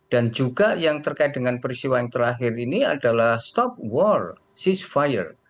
dan juga yang terkait dengan peristiwa yang terakhir ini adalah stop war cease fire